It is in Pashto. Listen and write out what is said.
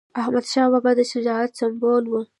احمدشاه بابا د شجاعت سمبول و.